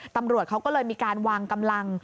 ตำรวจเขาก็เลยมีการวางกำลัง